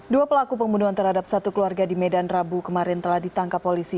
dua pelaku pembunuhan terhadap satu keluarga di medan rabu kemarin telah ditangkap polisi